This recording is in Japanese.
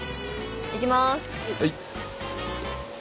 いきます。